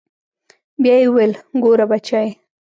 بيا يې وويل ګوره بچى.